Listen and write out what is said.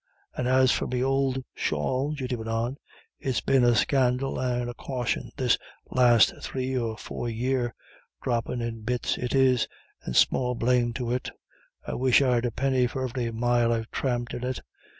"And as for me ould shawl," Judy went on, "it's been a scandal and a caution this last three or four year; droppin' in bits it is, and small blame to it. I wish I'd a penny for every mile I've tramped in it.